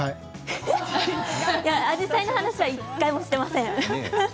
アジサイの話は１回もしていません。